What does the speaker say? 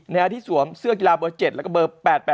ที่สวมเสื้อกีฬาเบอร์๗แล้วก็เบอร์๘๘